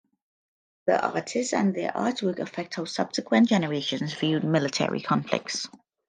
The artists and their artwork affect how subsequent generations view military conflicts.